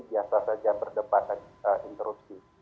biasa saja berdebat dan interusi